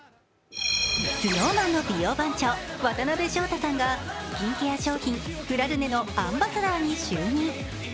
ＳｎｏｗＭａｎの美容番長、渡辺翔太さんがスキンケア商品、フラルネのアンバサダーに就任。